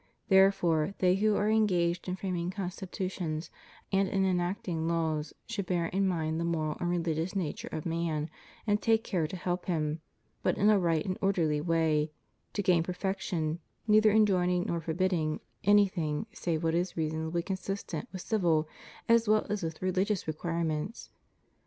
Therefore they who are engaged in framing constitutions and in enacting laws should bear in mind the moral and religious nature of man, and take care to help him, but in a right and orderly way, to gain perfection, neither en joining nor forbidding anything save what is reasonably consistent with civil as well as with religious requirements.